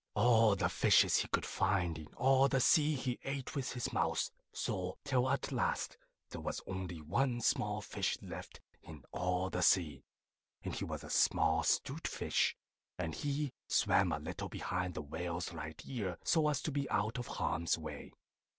All the fishes he could find in all the sea he ate with his mouth so! Till at last there was only one small fish left in all the sea, and he was a small 'Stute Fish, and he swam a little behind the Whale's right ear, so as to be out of harm's way.